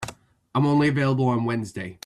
I am only available on Wednesday.